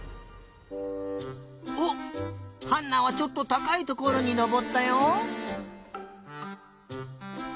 おっハンナはちょっとたかいところにのぼったよ。